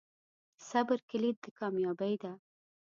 صبر کلید د کامیابۍ دی.